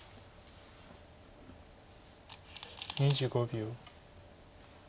２５秒。